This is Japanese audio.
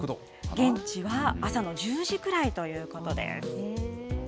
現地は朝の１０時くらいということです。